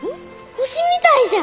星みたいじゃ！